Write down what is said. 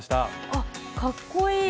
あっかっこいい！